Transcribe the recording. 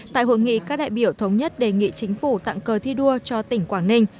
tại hội nghị các đại biểu thống nhất đề nghị chính phủ tặng cờ thi đua cho tỉnh quảng ninh